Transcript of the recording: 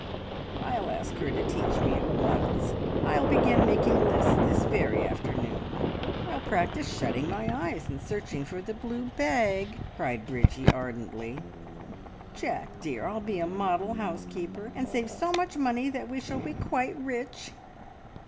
"I'll ask her to teach me at once! I'll begin making lists this very afternoon! I'll practise shutting my eyes and searching for the blue bag," cried Bridgie ardently. "Jack dear, I'll be a model housekeeper, and save so much money that we shall be quite rich."